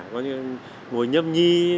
có những ngồi nhâm nhi